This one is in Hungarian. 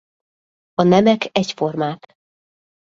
A nemek egyformák.